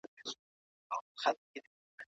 ګټه به په پیل کې کمه وي خو په دوام کې به زیاته شي.